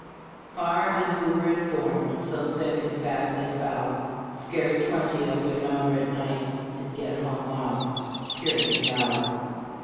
Far as we are informed, so thick and fast they fell, Scarce twenty of their number at night did get home well. Puritan Ballad.